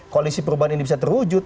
koalisi perubahan ini bisa terwujud